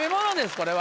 これは。